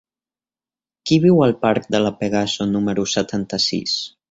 Qui viu al parc de La Pegaso número setanta-sis?